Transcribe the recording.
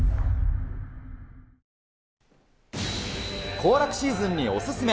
行楽シーズンにお勧め。